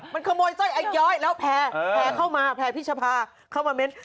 มันขโมยสร้อยไอ้ย้อยแล้วแพร่เข้ามาแพร่พิชภาเข้ามาเม้น